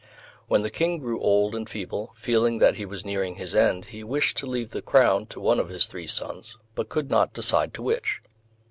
When the King grew old and feeble, feeling that he was nearing his end, he wished to leave the crown to one of his three sons, but could not decide to which.